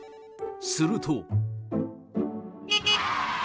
すると。